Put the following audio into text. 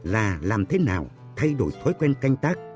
là làm thế nào thay đổi thói quen canh tác